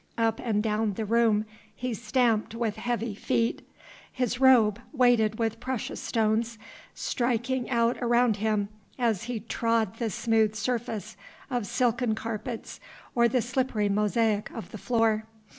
Up and down the room he stamped with heavy feet; his robe, weighted with precious stones, striking out around him as he trod the smooth surface of silken carpets or the slippery mosaic of the floor.